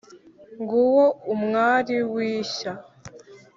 nguwo umwari w’ishya,